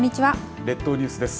列島ニュースです。